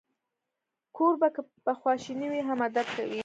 کوربه که په خواشینۍ وي، هم ادب کوي.